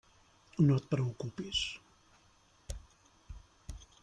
No et preocupis.